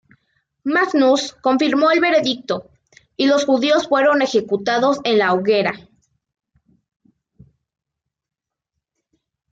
Magnus confirmó el veredicto, y los judíos fueron ejecutados en la hoguera.